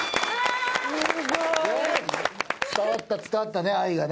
伝わった伝わったね愛がね。